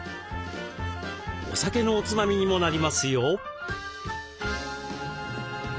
お酒のおつまみにもなりますよ。